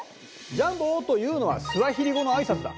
ｊａｍｂｏというのはスワヒリ語のあいさつだ。